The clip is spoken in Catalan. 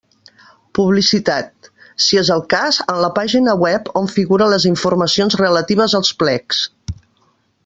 Publicitat: si és el cas, en la pàgina web on figuren les informacions relatives als plecs.